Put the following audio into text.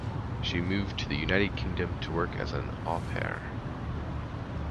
She moved to the United Kingdom to work as an "au pair".